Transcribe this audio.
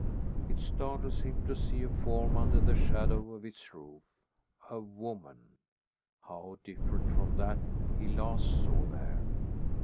It startles him to see a form under the shadow of its roof a woman! how different from that he last saw there!